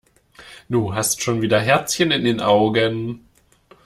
Du hast schon wieder Herzchen in den Augen.